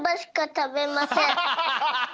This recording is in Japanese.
ハハハ！